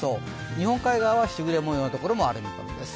日本海側はしぐれ模様のところもありそうです。